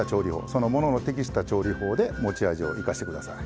そのものの適した調理法で持ち味を生かしてください。